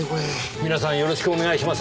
皆さんよろしくお願いしますね。